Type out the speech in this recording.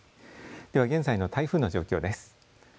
では、現在の台風の状況です。